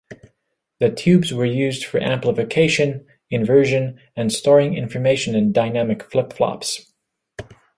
The tubes were used for amplification, inversion and storing information in dynamic flip-flops.